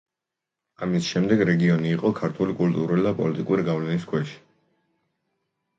ამის შემდეგ, რეგიონი იყო ქართული კულტურული და პოლიტიკური გავლენის ქვეშ.